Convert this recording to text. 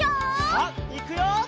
さあいくよ！